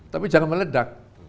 tapi jangan meledak